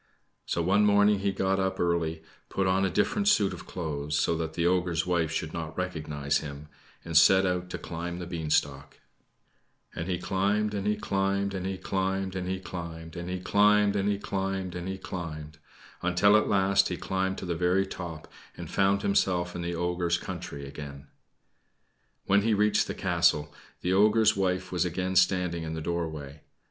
So one morning he got up early, put on a different suit of clothes, so that the ogre's wife should not recognize him, and set out to climb the beanstalk. [Illustration: Jack and the Beanstalk Down Came the Beanstalk, Down Came the Ogre] And he climbed, and he climbed, and he climbed, and he climbed, and he climbed, and he climbed, and he climbed until at last he climbed to the very top and found himself in the ogre's country again. When he reached the castle the ogre's wife was again standing in the doorway.